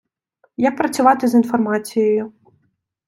Як працювати з інформацією.